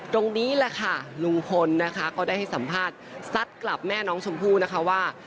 ตรงนี้ลุงพลก็ได้ให้สัมภาษณ์สัดกลับแม่น้องชมพูว่า